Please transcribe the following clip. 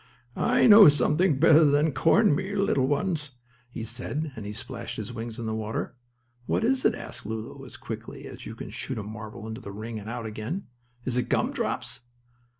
"I know something better than corn meal, little ones," he said, and he splashed his wings in the water. "What is it?" asked Lulu, as quickly as you can shoot a marble into the ring and out again. "Is it gum drops?"